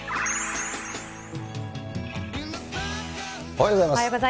おはようございます。